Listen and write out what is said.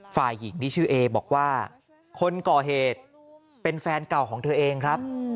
ฝ่ายหญิงที่ชื่อเอบอกว่าคนก่อเหตุเป็นแฟนเก่าของเธอเองครับ